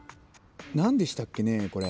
何でしたっけねこれ。